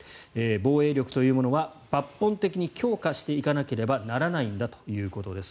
防衛力というものは抜本的に強化していかなければならないんだということです。